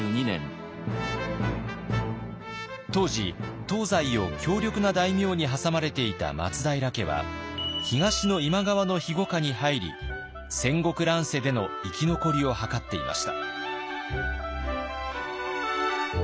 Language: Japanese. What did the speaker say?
当時東西を強力な大名に挟まれていた松平家は東の今川の庇護下に入り戦国乱世での生き残りを図っていました。